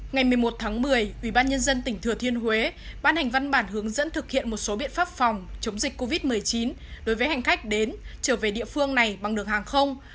ngày một mươi một tháng một mươi quỹ ban nhân dân tỉnh thừa thiên huế ban hành văn bản hướng dẫn thực hiện một số biện pháp phòng chống dịch covid một mươi chín đối với hành khách đến trở về địa phương này bằng đường hàng không